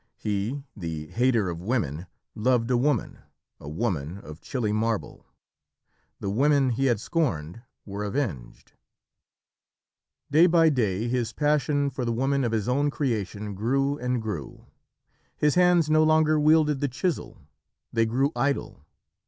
He, the hater of women, loved a woman a woman of chilly marble. The women he had scorned were avenged. [Illustration: THEN PYGMALION COVERED HIS EYES] Day by day his passion for the woman of his own creation grew and grew. His hands no longer wielded the chisel. They grew idle.